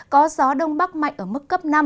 có gió đông bắc mạnh ở mức cấp năm